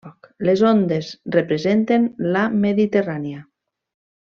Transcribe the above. Les ondes representen la Mediterrània.